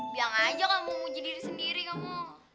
biang aja kamu puji diri sendiri kamu